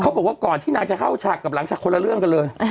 บอกว่าก่อนที่นางจะเข้าฉากกับหลังจากคนละเรื่องกันเลย